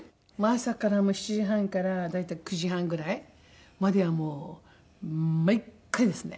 朝から７時半から大体９時半ぐらいまではもう毎回ですね。